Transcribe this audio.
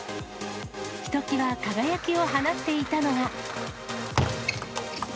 ひときわ輝きを放っていたのが。